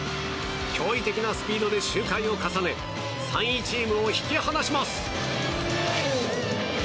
驚異的なスピードで周回を重ね３位チームを引き離します。